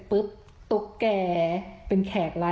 มีแต่เสียงตุ๊กแก่กลางคืนไม่กล้าเข้าห้องน้ำด้วยซ้ำ